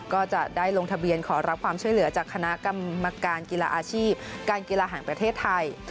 ก็จะได้ลงทะเบียนขอรับความช่วยเหลือจากคณะกรรมการกีฬาอาชีพการกีฬาแห่งประเทศไทย